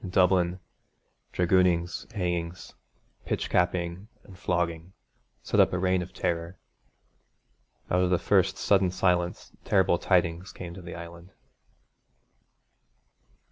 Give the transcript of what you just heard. In Dublin, dragoonings, hangings, pitch capping and flogging set up a reign of terror. Out of the first sudden silence terrible tidings came to the Island.